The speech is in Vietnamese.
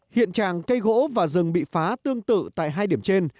hiện tràng cây gỗ và rừng bị phá tương tự tại hai điểm trên